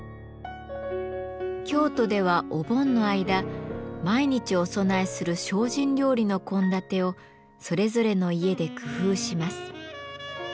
京都ではお盆の間毎日お供えする精進料理の献立をそれぞれの家で工夫します。